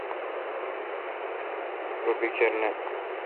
رو بیکھر نہ۔